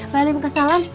balik muka salam